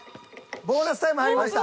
ボーナスタイム入りました。